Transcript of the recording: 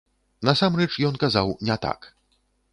Насамрэч, ён казаў не так.